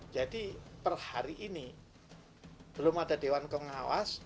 jadi per hari ini belum ada dewan pengawas